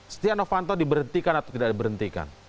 setia novanto diberhentikan atau tidak diberhentikan